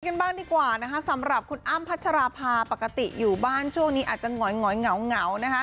กันบ้างดีกว่านะคะสำหรับคุณอ้ำพัชราภาปกติอยู่บ้านช่วงนี้อาจจะหงอยเหงานะคะ